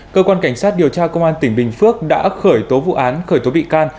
cơ quan cảnh sát điều tra công an tỉnh bình phước đã khởi tố vụ án khởi tố bị can